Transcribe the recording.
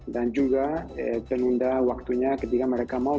dan juga penunda waktunya ketika mereka mau berubah